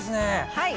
はい。